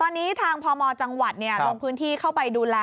ตอนนี้ทางพมจังหวัดลงพื้นที่เข้าไปดูแล